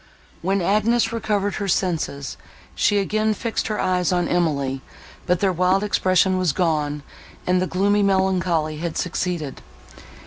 When Agnes recovered her senses, she again fixed her eyes on Emily, but their wild expression was gone, and a gloomy melancholy had succeeded.